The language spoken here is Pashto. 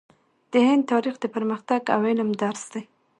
د هند تاریخ د پرمختګ او علم درس دی.